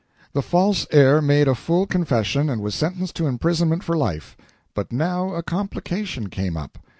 The false heir made a full confession and was sentenced to imprisonment for life. But now a complication came up.